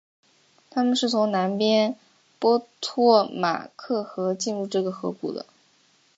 他们是从南边波托马克河进入这个河谷的。